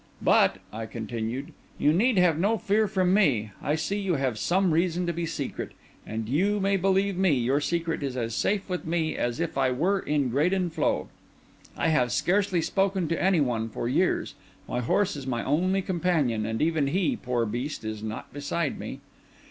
"But," I continued, "you need have no fear from me. I see you have some reason to be secret, and, you may believe me, your secret is as safe with me as if I were in Graden Floe. I have scarce spoken to any one for years; my horse is my only companion, and even he, poor beast, is not beside me.